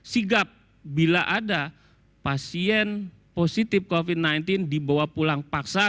sigap bila ada pasien positif covid sembilan belas dibawa pulang paksa